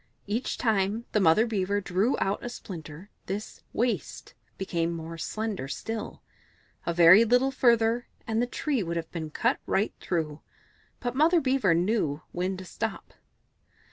Each time that Mother Beaver drew out a splinter this "waist" became more slender still; a very little further, and the tree would have been cut right through, but Mother Beaver knew when to stop.